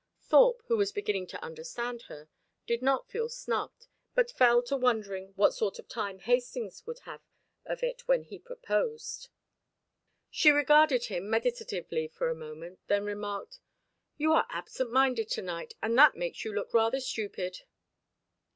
Thorpe, who was beginning to understand her, did not feel snubbed, but fell to wondering what sort of a time Hastings would have of it when he proposed. She regarded him meditatively for a moment, then remarked; "You are absent minded to night, and that makes you look rather stupid."